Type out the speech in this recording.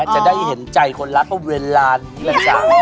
จะได้เห็นใจคนรักเวลานี้แหละจ้ะ